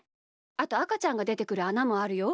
あとあかちゃんがでてくるあなもあるよ。